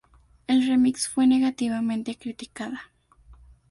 El remix fue negativamente criticada.